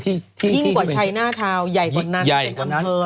ยิ่งกว่าชัยหน้าทาวน์ใหญ่กว่านั้นเป็นอำเภอเลยใหญ่กว่านั้น